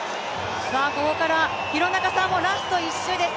ここから廣中さんもラスト１周です。